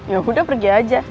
yaudah pergi aja